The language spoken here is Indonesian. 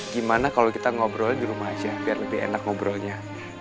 gimana kalau kita ngobrolnya di rumah aja biar lebih enak ngobrolnya